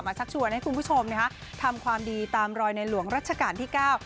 ชักชวนให้คุณผู้ชมนะคะทำความดีตามรอยในหลวงรัชกาลที่เก้า